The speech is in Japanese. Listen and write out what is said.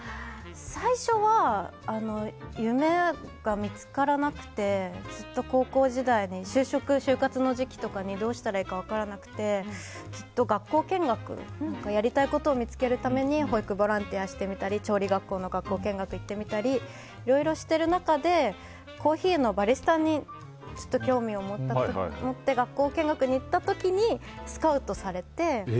最初は、夢が見つからなくて高校時代に就活の時期とかにどうしたらいいか分からなくてずっと学校見学やりたいことを見つけるために保育ボランティアしてみたり調理学校の学校見学してみたりいろいろしている中でコーヒーのバリスタに興味を持って学校見学に行った時にスカウトされて。